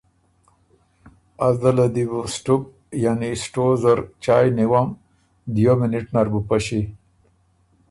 ”از ده له دی بو سټُپ (سټو) زر چایٛ نیوم، دیو مینِټ نر بُو پݭی“